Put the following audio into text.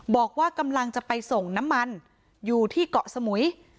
บอกว่ากำลังจะไปส่งน้ำมันอยู่ที่เกาะสมุย